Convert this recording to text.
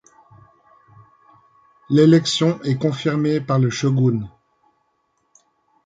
L'élection est confirmée par le shogun.